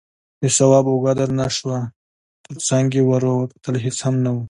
د تواب اوږه درنه شوه، تر څنګ يې ور وکتل، هېڅ هم نه و.